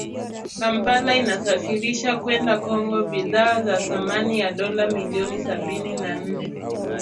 Kampala inasafirisha kwenda Congo bidhaa za thamani ya dola milioni sabini na nne